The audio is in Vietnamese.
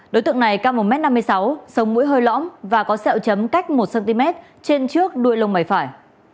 đối tượng này cao một m năm mươi sáu sông mũi hơi lõm và có sẹo chấm cách một cm trên trước đuôi lồng mẩy phải